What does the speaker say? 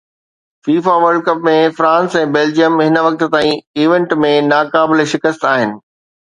FIFA World Cup ۾ France ۽ Belgium هن وقت تائين ايونٽ ۾ ناقابل شڪست آهن